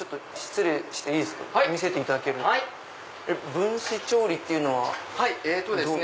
分子調理っていうのはどういう？